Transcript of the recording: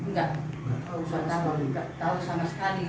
enggak gak tau sama sekali